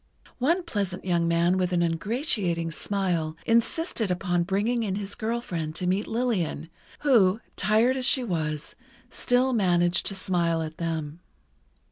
One pleasant young man with an ingratiating smile, insisted upon bringing in his girl friend to meet Lillian, who, tired as she was, still managed to smile at them.